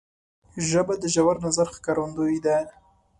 ژبه د ژور نظر ښکارندوی ده